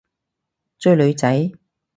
追女仔？